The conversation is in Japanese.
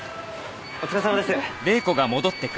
お疲れさまです。